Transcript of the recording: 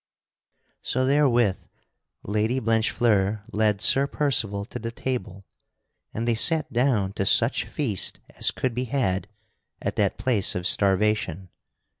So therewith Lady Blanchefleur led Sir Percival to the table, and they sat down to such feast as could be had at that place of starvation.